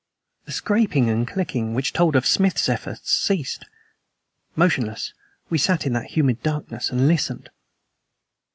The scraping and clicking which told of Smith's efforts ceased. Motionless, we sat in that humid darkness and listened.